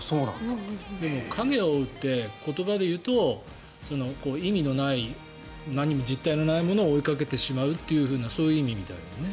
影を追うって言葉でいうと意味のない、実体のないものを追いかけてしまうというそういう意味みたいだね。